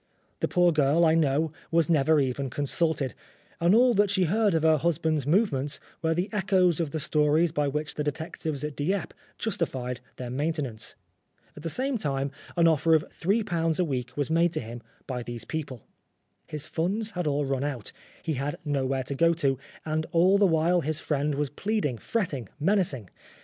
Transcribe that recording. The poor girl, I know, was never even consulted, and all that she heard of her husband's movements were the echoes of the stories by which the detectives at Dieppe justified their main tenance. At the same time, an offer of ^3 a week was made to him by these people. His funds had all run out, he had nowhere to go to, and all the while his friend was plead ing, fretting, menacing.